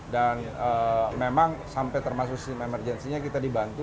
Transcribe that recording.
dan memang sampai termasuk sistem emergency nya kita dibantu